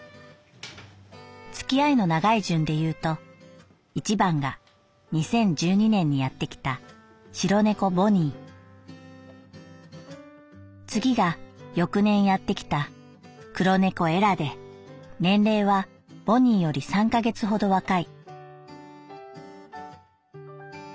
付き合いの長い順で言うと一番が二〇一二年にやって来た白猫ボニー次が翌年やってきた黒猫エラで年齢はボニーより三か月ほど若い」。